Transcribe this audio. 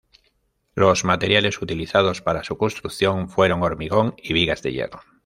Los materiales utilizados para su construcción fueron hormigón y vigas de hierro.